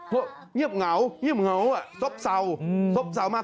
เพราะเงียบเหงาเงียบเหงาซ้อปเศร้าซ้อปเศร้ามาก